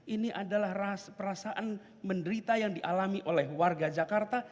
ini adalah perasaan menderita yang dialami oleh warga jakarta